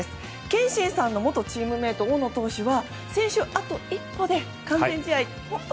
憲伸さんの元チームメート大野投手は先週あと１個で完全試合。